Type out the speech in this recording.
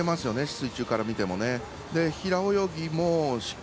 水中から見ても。